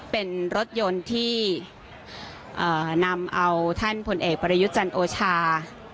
เป็นรถยนต์ที่เอ่อนำเอาท่านผลเอกปรยุจันโอชา